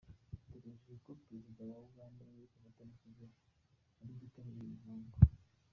Biteganyijwe ko Perezida wa Uganda, Yoweri Kaguta Museveni, ari bwitabirere uyu muhango.